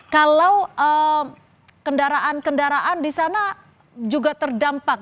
kalau kendaraan kendaraan di sana juga terdampak